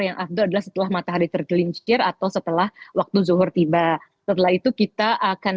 yang abdul adalah setelah matahari tergelincir atau setelah waktu zuhur tiba setelah itu kita akan